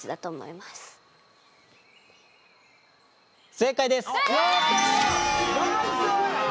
正解です。わ！